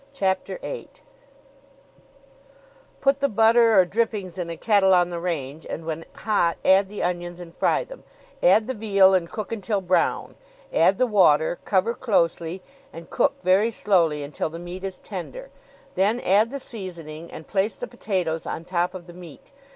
CHAPTER VIII "'Put the butter or drippings in a kettle on the range, and when hot add the onions and fry them; add the veal and cook until brown. Add the water, cover closely, and cook very slowly until the meat is tender; then add the seasoning and place the potatoes on top of the meat.